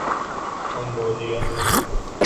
Anguilla